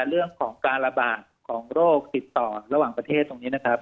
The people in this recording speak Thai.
เรื่องของการระบาดของโรคติดต่อระหว่างประเทศตรงนี้นะครับ